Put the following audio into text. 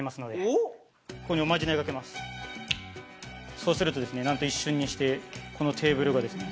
そうするとなんと一瞬にしてこのテーブルがですね。